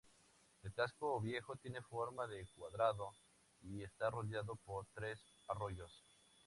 El casco viejo tiene forma de cuadrado y está rodeado por tres arroyos.